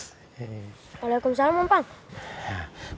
waalaikumsalam om pang